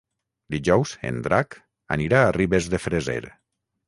Dijous en Drac anirà a Ribes de Freser.